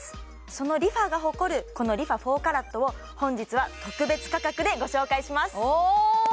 そのＲｅＦａが誇るこのＲｅＦａ４ＣＡＲＡＴを本日は特別価格でご紹介しますお！